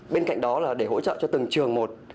bên cạnh đó là để hỗ trợ cho từng trường một